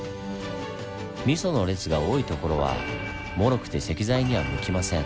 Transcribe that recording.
ミソの列が多い所はもろくて石材には向きません。